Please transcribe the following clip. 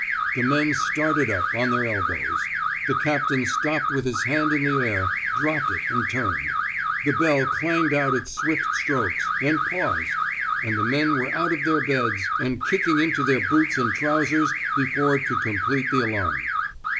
The men started up, on their elbows. The captain stopped with his hand in the air, dropped it and turned. The bell clanged out its swift strokes, and paused — and the men were out of their beds and kicking into 135 f THE SMOKE EATERS their boots and trousers before it could com plete the alarm.